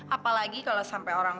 apalagi kalau sampai orang